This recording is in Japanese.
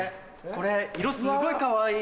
これ色すっごいかわいい。